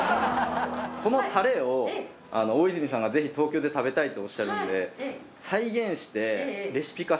このタレを大泉さんがぜひ東京で食べたいとおっしゃるので。